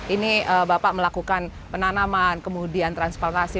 ini bapak melakukan penanaman kemudian transportasi